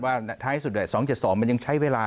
ท้ายสุด๒๗๒มันยังใช้เวลา